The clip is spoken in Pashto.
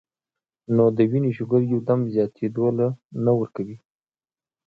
نو د وينې شوګر يو دم زياتېدو له نۀ ورکوي -